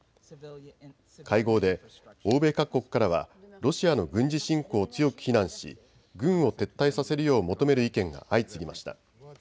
会合で欧米各国からはロシアの軍事侵攻を強く非難し軍を撤退させるよう求める意見が相次ぎました。